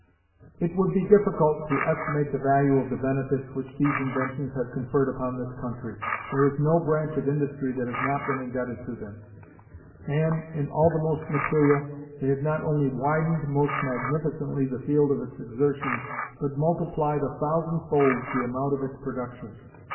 It would be difficult to estimate the value of the benefits which these inventions have conferred upon this country. There is no branch of industry that has not been indebted to them; and, in all the most material, they have not only widened most magnificently the field of its exertions, but multiplied a thousandfold the amount of its productions.